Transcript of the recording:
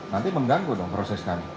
nanti mengganggu dong proses kami